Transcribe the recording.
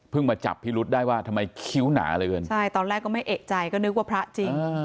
มาจับพิรุษได้ว่าทำไมคิ้วหนาเหลือเกินใช่ตอนแรกก็ไม่เอกใจก็นึกว่าพระจริง